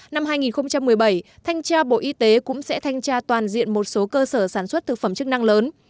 năm hai nghìn một mươi bảy thanh tra bộ y tế cũng sẽ thanh tra toàn diện một số cơ sở sản xuất thực phẩm chức năng lớn